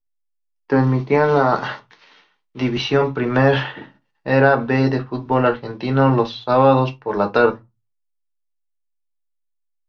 Transmitían la divisional Primera B del fútbol argentino los sábados por la tarde.